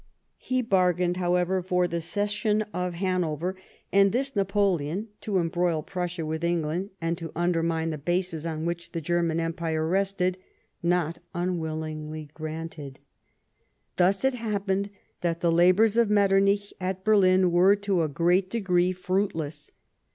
He bargained, however, for the cession of Hanover, and this, Napoleon, to embroil Prussia with England, and to under mine the bases on which the German Empire rested, not unwillingly granted. Thus it happened that the labours of Metternich at Berlin Mere to a great degree fruitless.